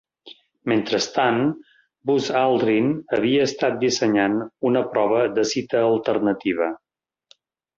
Mentrestant, Buzz Aldrin havia estat dissenyant una prova de cita alternativa.